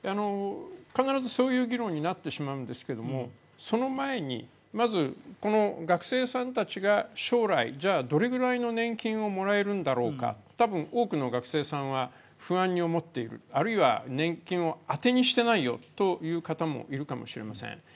必ずそういう議論になってしまうんですけど学生さんたちがじゃどれぐらいの年金をもらえるんだろうか、多くの学生さんは不安に思っている、あるいは年金を当てにしてないよという方もいるかもしれません。